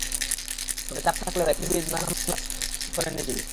তবে চাপ থাকলেও এখনই বিমান হামলায় যোগ দেওয়ার সিদ্ধান্ত দেননি তিনি।